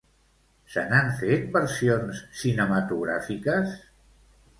Se n'han fet versions cinematogràfiques?